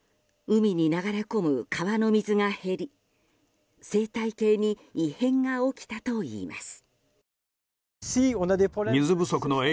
海に流れ込む川の水が減り生態系に異変が起きたといいます。